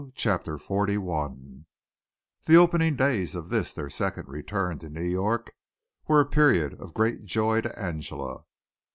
CHAPTER XLI The opening days of this their second return to New York were a period of great joy to Angela.